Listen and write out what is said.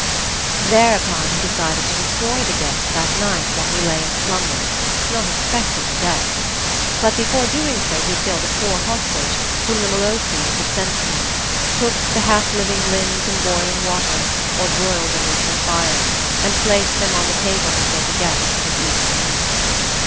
Thereupon he decided to destroy the guest that night while he lay in slumber, not expecting death. But before doing so he killed a poor hostage whom the Molossians had sent to him, cooked the half living limbs in boiling water or broiled them over a fire, and placed them on the table before the guest for his evening meal.